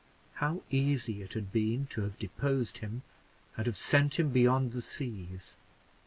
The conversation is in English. How easy it had been to have deposed him, and have sent him beyond the seas!